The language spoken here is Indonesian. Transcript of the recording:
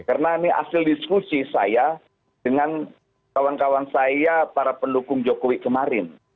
karena ini hasil diskusi saya dengan kawan kawan saya para pendukung jokowi kemarin